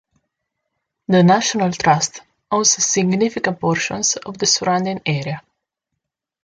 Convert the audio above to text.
The National Trust owns significant portions of the surrounding area.